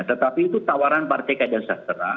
tetapi itu tawaran partai keadaan sastra